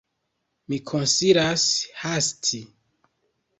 Mi konsilas hasti.